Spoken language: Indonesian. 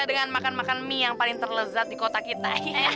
dengan makan makan mie yang paling terlezat di kota kita